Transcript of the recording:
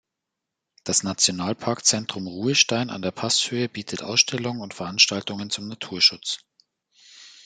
Das Nationalparkzentrum Ruhestein an der Passhöhe bietet Ausstellungen und Veranstaltungen zum Naturschutz.